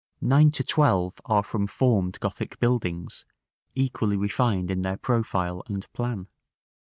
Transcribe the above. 9 to 12 are from formed Gothic buildings, equally refined in their profile and plan.